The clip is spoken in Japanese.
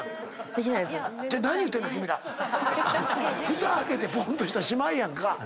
ふた開けてボンとしたらしまいやんか。